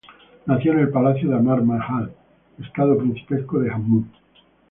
Nació en el Palacio de Amar Mahal, estado principesco de Jammu.